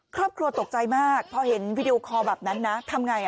ครอบครัวตกใจมากพอเห็นวิดีโอคอลแบบนั้นนะทำไง